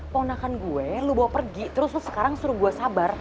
ponakan gue lu bawa pergi terus lo sekarang suruh gue sabar